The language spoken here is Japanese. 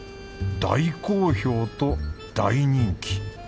大好評と大人気。